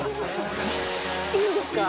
いいんですか？